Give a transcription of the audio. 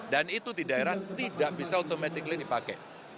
dan itu di daerah tidak bisa otomatik dipakai